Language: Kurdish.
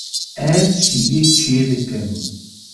Ez şîvê çêdikim.